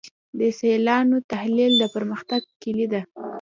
د سیالانو تحلیل د پرمختګ کلي ده.